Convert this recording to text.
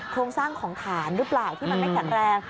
โครงสร้างของฐานหรือเปล่าที่มันไม่แข็งแรง